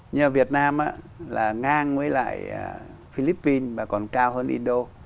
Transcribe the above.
nhưng việt nam ngang với lại philippines và còn cao hơn indo